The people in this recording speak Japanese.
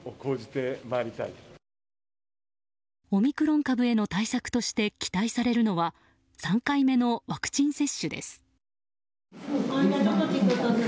オミクロン株への対策として期待されるのは３回目のワクチン接種です。